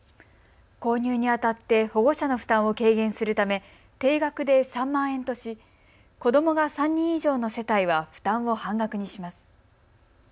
購入にあたって保護者の負担を軽減するため定額で３万円とし子どもが３人以上の世帯は負担を半額にします。